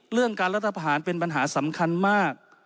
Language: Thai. เรื่องการรัฐพาหารเป็นปัญหาสำคัญมาก